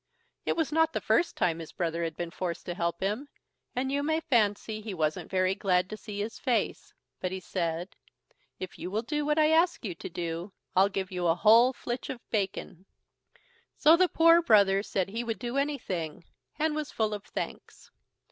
It was not the first time his brother had been forced to help him, and you may fancy he wasn't very glad to see his face, but he said: "If you will do what I ask you to do, I'll give you a whole flitch of bacon." So the poor brother said he would do anything, and was full of thanks.